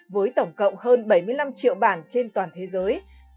với tổng cộng hơn bảy mươi năm triệu bản trên toàn thế giới